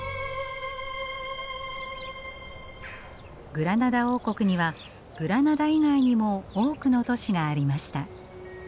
グラナダ王国にはグラナダ以外にも多くの都市がありました。